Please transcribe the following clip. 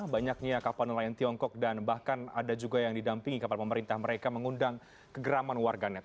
banyaknya kapal nelayan tiongkok dan bahkan ada juga yang didampingi kapal pemerintah mereka mengundang kegeraman warganet